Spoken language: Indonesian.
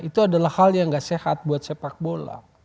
itu adalah hal yang gak sehat buat sepak bola